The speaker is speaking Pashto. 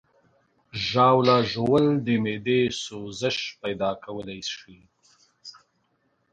ژاوله ژوول د معدې سوزش پیدا کولی شي.